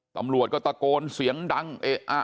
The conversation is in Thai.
ตำรวจก็ตะโกนเสียงดังเอะอะ